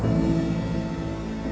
dan memegang hatiku